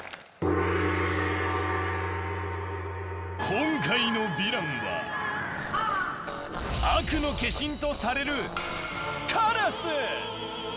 今回のヴィランは悪の化身とされるカラス。